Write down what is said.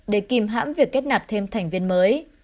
để kìm hãm việc kết nạp thêm thành viên mới